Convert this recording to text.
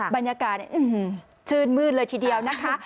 บรรยากาศชื่นมืดเลยทีเดียวนะคะ